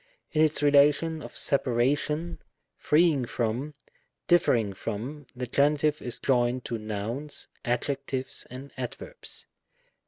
In its relation of separation, freeing from, differ ing from, the Genitive is joined to nouns, adjectives, and adverbs.